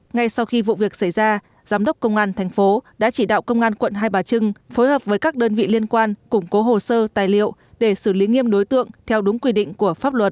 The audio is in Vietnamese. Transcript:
ngay sau khi vụ việc xảy ra giám đốc công an thành phố đã chỉ đạo công an quận hai bà trưng phối hợp với các đơn vị liên quan củng cố hồ sơ tài liệu để xử lý nghiêm đối tượng theo đúng quy định của pháp luật